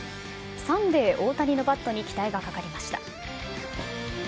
サンデー大谷のバットに期待がかかりました。